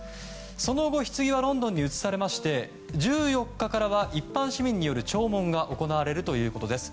その後、ひつぎはロンドンに移されまして１４日からは一般市民による弔問が行われるということです。